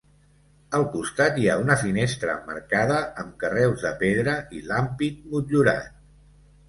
Al costat hi ha una finestra emmarcada amb carreus de pedra i l'ampit motllurat.